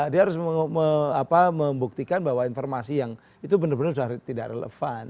dia harus membuktikan bahwa informasi yang itu benar benar sudah tidak relevan